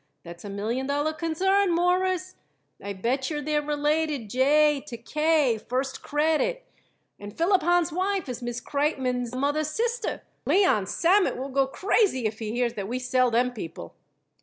That's a million dollar concern, Mawruss. I bet yer they're rated J to K, first credit, and Philip Hahn's wife is Miss Kreitmann's mother's sister. Leon Sammet will go crazy if he hears that we sell them people."